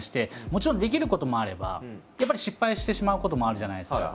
もちろんできることもあればやっぱり失敗してしまうこともあるじゃないですか。